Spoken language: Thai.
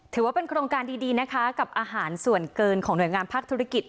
ถือว่าเป็นโครงการดีนะคะกับอาหารส่วนเกินของหน่วยงานภาคธุรกิจ